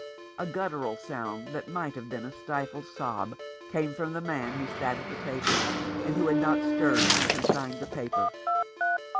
A guttural sound that might have been a stifled sob came from the man who sat at the table, and who had not stirred since he signed the paper.